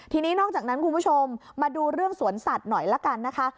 ทีนี้นอกจากนั้นคุณผู้ชมมาดูเรื่องสวนสัตว์หน่อยละกันนะคะ